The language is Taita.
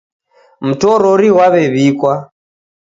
Mtorori ghwaw'ew'ikwa.